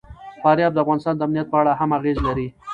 فاریاب د افغانستان د امنیت په اړه هم اغېز لري.